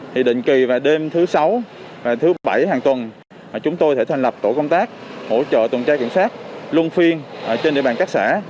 thì định kỳ vào đêm thứ sáu và thứ bảy hàng tuần chúng tôi sẽ thành lập tổ công tác hỗ trợ tuần tra kiểm soát luôn phiên trên địa bàn các xã